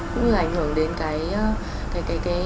cũng như là ảnh hưởng đến cái